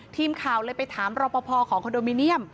ทีมข่าวเลยไปถามรอปภของคอนโดมิเนียม